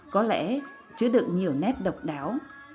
có lẽ chứa được nhiều nét độc đáo